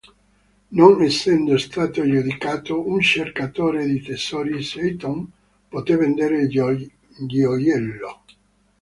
Non essendo stato giudicato un "cercatore di tesori", Seaton poté vendere il gioiello.